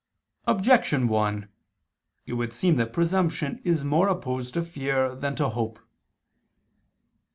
Objection 1: It would seem that presumption is more opposed to fear than to hope.